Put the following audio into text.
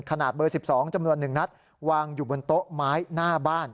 ขนาดเบอร์๑๒จำนวน๑นัดวางอยู่บนโต๊ะไม้หน้าบ้าน